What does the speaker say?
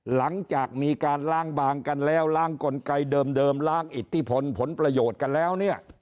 หลังจากมีการล้างบางกันแล้วล้างกลไกเดิมล้างอิทธิพลผลประโยชน์กันแล้วเนี่ย